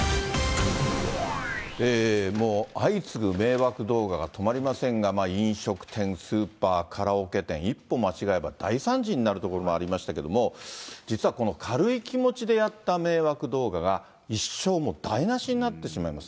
もう相次ぐ迷惑動画が止まりませんが、飲食店、スーパー、カラオケ店、一歩間違えば大惨事になるところもありましたけども、実はこの軽い気持ちでやった迷惑動画が、一生もう台なしになってしまいます。